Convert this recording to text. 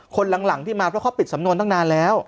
หลังที่มาเพราะเขาปิดสำนวนตั้งนานแล้ว